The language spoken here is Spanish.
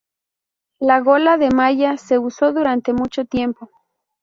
La gola de malla se usó durante mucho tiempo.